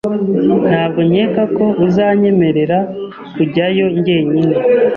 Ntabwo nkeka ko uzanyemerera kujyayo jyenyine.